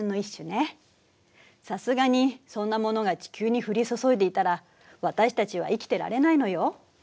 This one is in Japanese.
さすがにそんなものが地球に降り注いでいたら私たちは生きてられないのよ。